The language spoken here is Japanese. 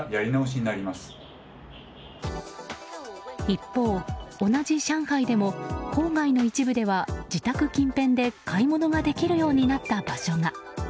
一方、同じ上海でも郊外の一部では自宅近辺で買い物ができるようになった場所が。